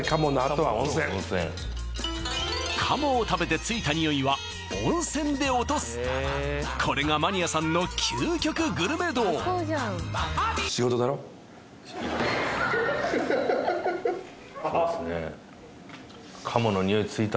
鴨を食べてついたにおいは温泉で落とすこれがマニアさんの究極グルメ道そうっすね